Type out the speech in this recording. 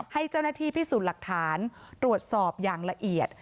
ให้เจ้าหน้าที่พิสูจน์หลักฐานตรวจสอบอย่างละเอียด